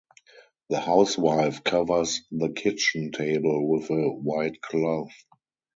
The housewife covers the kitchen table with a white cloth.